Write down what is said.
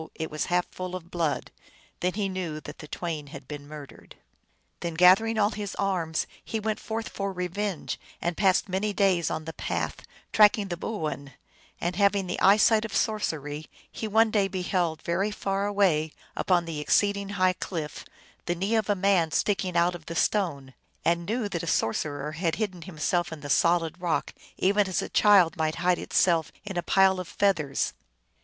it was half full of blood. Then he knew that the twain had been murdered. Then gathering all his arms, he went forth for revenge, and passed many days on the path, tracking the boo oin ; and having the eyesight of sorcery, he one day beheld very far away, upon an exceeding high cliff, the knee of a man sticking out of the stone, and knew that a sorcerer had hidden himself in the solid rock, even as a child might hide itself in a pile of feathers.